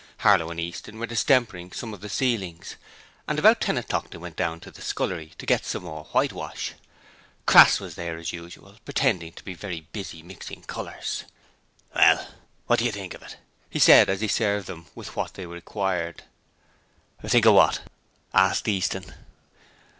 Harlow and Easton were distempering some of the ceilings, and about ten o'clock they went down to the scullery to get some more whitewash. Crass was there as usual, pretending to be very busy mixing colours. 'Well, wot do you think of it?' he said as he served them with what they required. 'Think of what?' asked Easton.